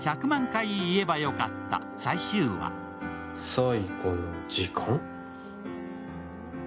最後の時間？